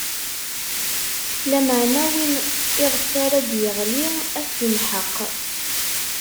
Lameɛna win iɣef ara d-iɣli, ad t-imḥeq.